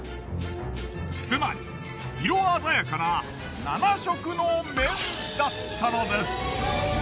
つまり色鮮やかな七色の麺だったのです。